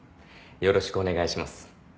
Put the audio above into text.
よろしくお願いします。